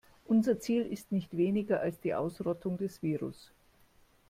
Unser Ziel ist nicht weniger als die Ausrottung des Virus.